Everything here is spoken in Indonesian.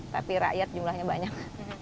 tapi rakyat jumlahnya banyak